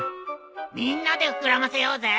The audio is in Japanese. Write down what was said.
みんなでふくらませようぜ。